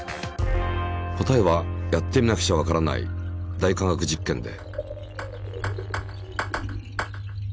答えはやってみなくちゃわからない「大科学実験」で。